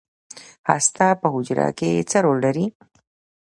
هسته په حجره کې څه رول لري؟